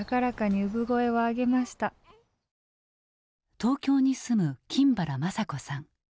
東京に住む金原まさ子さん。